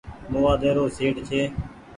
موآدي رو سيٽ ڇي۔